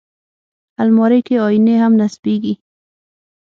الماري کې آیینې هم نصبېږي